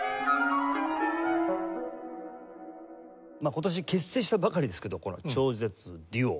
今年結成したばかりですけどこの超絶デュオ。